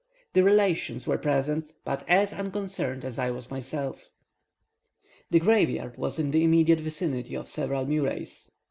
The relations were present, but as unconcerned as I was myself. The graveyard was in the immediate vicinity of several murais.